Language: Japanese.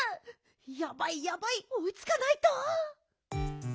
やばいやばいおいつかないと！